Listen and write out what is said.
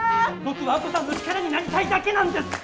僕は亜子さんの力になりたいだけなんです！